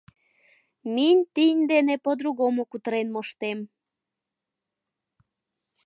Минь тинь дене по-другому кутырен моштем.